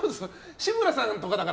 志村さんとかだから。